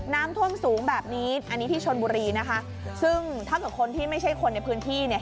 น้ำท่วมสูงแบบนี้อันนี้ที่ชนบุรีนะคะซึ่งถ้าเกิดคนที่ไม่ใช่คนในพื้นที่เนี่ย